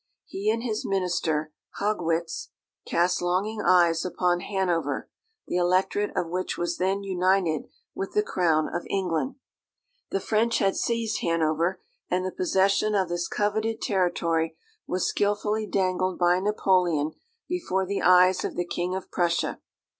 He and his minister, Haugwitz, cast longing eyes upon Hanover, the Electorate of which was then united with the crown of England. The French had seized Hanover, and the possession of this coveted territory was skilfully dangled by Napoleon before the eyes of the King of Prussia.